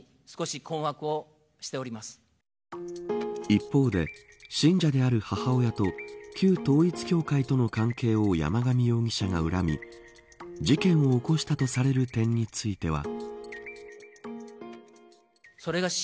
一方で、信者である母親と旧統一教会との関係を山上容疑者が恨み事件を起こしたとされる点については。